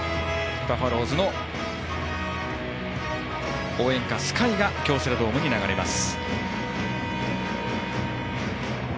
バファローズの応援歌「ＳＫＹ」が京セラドームに流れます。